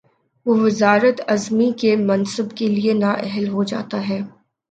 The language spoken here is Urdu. وہ وزارت عظمی کے منصب کے لیے نااہل ہو جا تا ہے۔